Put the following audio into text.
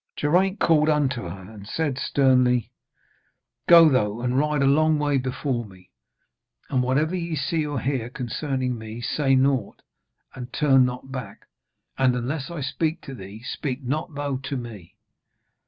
Geraint called unto her and said sternly: 'Go thou and ride a long way before me. And whatever ye see or hear concerning me, say naught, and turn not back. And unless I speak to thee, speak not thou to me.'